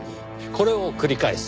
これを繰り返す。